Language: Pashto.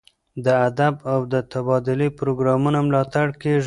د ادب د تبادلې پروګرامونو ملاتړ کیږي.